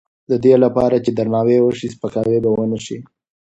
د دې لپاره چې درناوی وشي، سپکاوی به ونه شي.